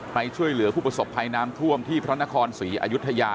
ไปช่วยเหลือผู้ประสบภัยน้ำท่วมที่พระนครศรีอยุธยา